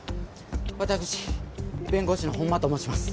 私弁護士の本間と申します。